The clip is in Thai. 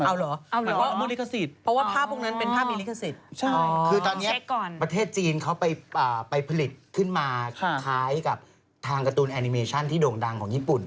เอาเหรอแต่ว่าภาพพวกนั้นเป็นภาพมีลิขสิทธิ์คือตอนนี้ประเทศจีนเขาไปผลิตขึ้นมาคล้ายกับทางการ์ตูนแอนิเมชั่นที่โด่งดังของญี่ปุ่น